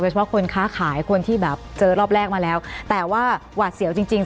เฉพาะคนค้าขายคนที่แบบเจอรอบแรกมาแล้วแต่ว่าหวาดเสียวจริงจริง